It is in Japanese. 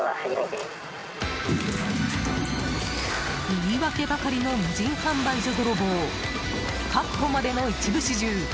言い訳ばかりの無人販売所泥棒確保までの一部始終。